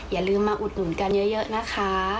อย่าลืมมาอุดหนุนกันเยอะนะคะ